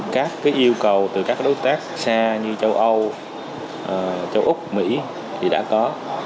các yêu cầu từ các đối tác xa như châu âu châu úc mỹ thì đã có